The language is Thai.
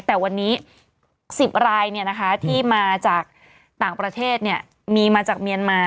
แต่วันนี้๑๐รายที่มาจากต่างประเทศมีมาจากเมียนมา